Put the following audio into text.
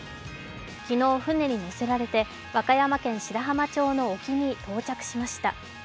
昨日船にのせられて和歌山県白浜町の沖に到着しました。